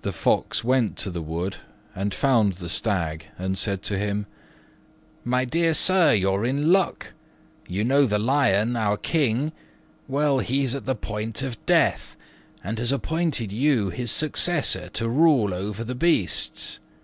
The Fox went to the wood and found the Stag and said to him, "My dear sir, you're in luck. You know the Lion, our King: well, he's at the point of death, and has appointed you his successor to rule over the beasts.